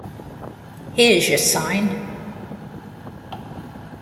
Here's your sign.